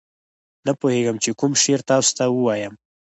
نه پوهېږم چې کوم شعر تاسو ته ووایم.